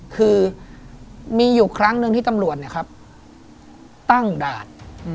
คือมีอยู่ครั้งหนึ่งที่ตำรวจตั้งด่าน